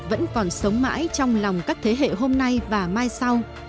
vẫn còn sống mãi trong lòng các thế hệ hôm nay và mai sau